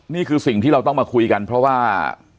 นี่คือสิ่งที่เราต้องมาคุยกันเพราะว่า